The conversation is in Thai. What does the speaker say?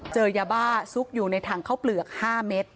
เจอยาบ้าซุกอยู่ในถังข้าวเปลือก๕เม็ด